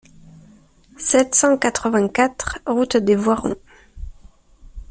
sept cent quatre-vingt-quatre route des Voirons